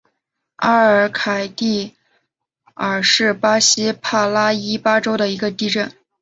阿尔坎蒂尔是巴西帕拉伊巴州的一个市镇。